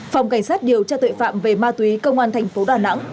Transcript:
phòng cảnh sát điều tra tội phạm về ma túy công an thành phố đà nẵng